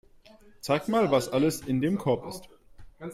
Zeig mal, was alles in dem Korb ist.